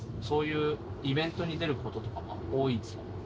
そういうイベントに出る事とか多いですか？